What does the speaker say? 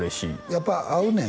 やっぱ合うねん